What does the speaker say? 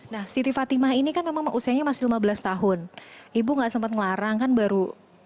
nah siti fatimah ini kan memang usianya masih lima belas tahun ibu nggak sempat ngelarang kan baru